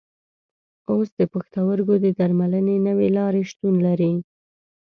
اوس د پښتورګو د درملنې نوې لارې شتون لري.